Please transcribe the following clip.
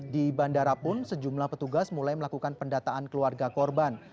di bandara pun sejumlah petugas mulai melakukan pendataan keluarga korban